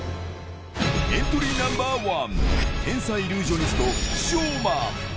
エントリーナンバー１、天才イリュージョニスト、将魔。